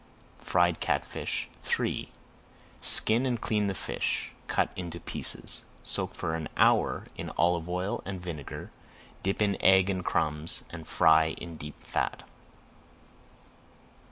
FRIED CATFISH III Skin and clean the fish, cut into pieces. Soak for an hour in olive oil and vinegar, dip in egg and crumbs, and fry in deep fat.